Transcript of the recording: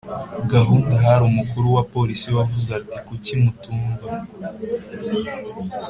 Gahunda hari umukuru w abapolisi wavuze ati kuki mutumva